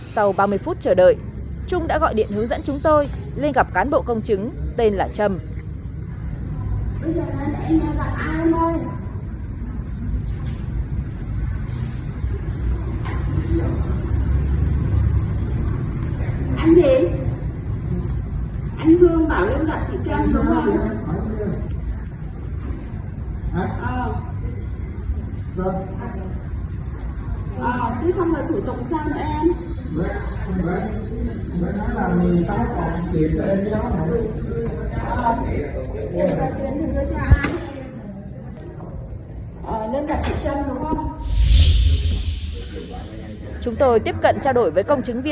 sau ba mươi phút chờ đợi trung đã gọi điện hướng dẫn chúng tôi lên gặp cán bộ công chứng tên là trâm